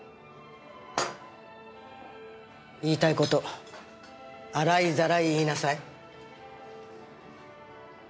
言いたい事洗いざらい言いなさい。